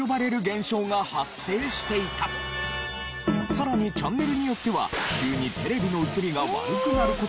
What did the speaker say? さらにチャンネルによってはすごい！